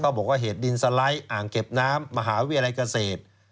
บอกว่าเหตุดินสไลด์อ่างเก็บน้ำมหาวิทยาลัยเกษตร